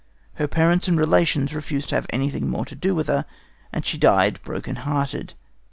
Her parents and relations refused to have anything more to do with her, and she died broken hearted.